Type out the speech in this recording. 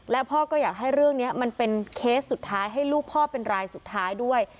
และพ่อก็อยากให้เรื่องนี้มันเป็นเคสสุดท้ายให้ลูกพ่อเป็นรายสุดท้ายด้วย